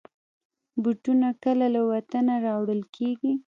بوټونه کله له وطنه راوړل کېږي.